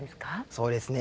そうですね。